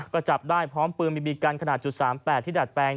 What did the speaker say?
ก็จับได้พร้อมปืนบีบีกันขนาด๓๘ที่ดัดแปลง